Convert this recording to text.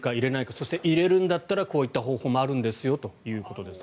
そして入れるんだったらこういう方法もあるんですよということですが。